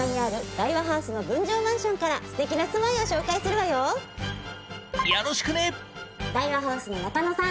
大和ハウスの中野さん